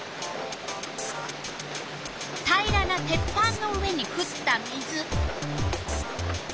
平らな鉄板の上にふった水。